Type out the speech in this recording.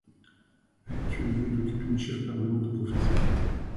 Actuellement, il occupe une chaire permanente de professeur.